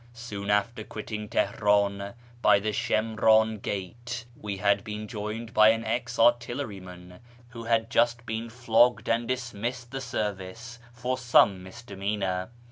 Soon after quitting Teheri'in by the Shimrau Gate we had been joined by an ex artilleryman, who had just been flogged and dismissed the service for some misdemeanour.